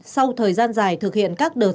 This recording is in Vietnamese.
sau thời gian dài thực hiện các đợt